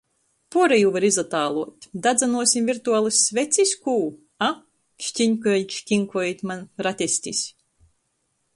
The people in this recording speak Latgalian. Puorejū var izatāluot — dadzynuosim virtualys svecis, kū, a? Škiņkojit, škiņkojit maņ ratestis!